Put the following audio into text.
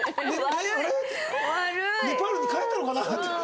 「ネパールに帰ったのかな？」